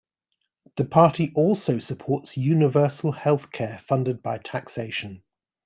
The party also supports universal health care funded by taxation.